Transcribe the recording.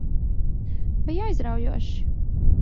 Bija aizraujoši.